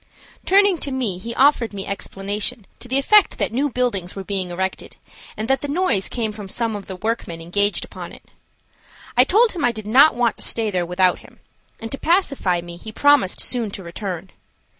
Turning to me he offered me explanation to the effect that new buildings were being erected, and that the noise came from some of the workmen engaged upon it. I told him I did not want to stay there without him, and to pacify me he promised soon to return.